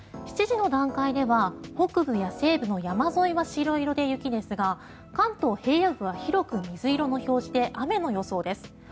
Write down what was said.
７時の段階では北部や西部の山沿いは白色で雪ですが関東平野部は広く水色の表示で雨の予想です。